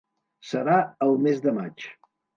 Serà el mes de maig.